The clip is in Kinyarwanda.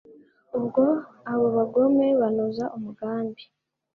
ubwo abo bagome banoza umugambi